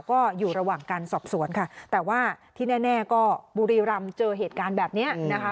ก็อยู่ระหว่างการสอบสวนค่ะแต่ว่าที่แน่ก็บุรีรำเจอเหตุการณ์แบบนี้นะคะ